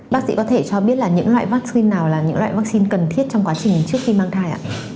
bác sĩ có thể cho biết là những loại vaccine nào là những loại vaccine cần thiết trong quá trình trước khi mang thai ạ